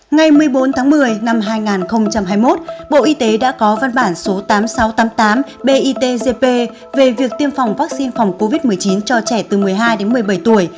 ngày một mươi bốn tháng một mươi năm hai nghìn hai mươi một bộ y tế đã có văn bản số tám nghìn sáu trăm tám mươi tám bitgp về việc tiêm phòng vaccine phòng covid một mươi chín cho trẻ từ một mươi hai đến một mươi bảy tuổi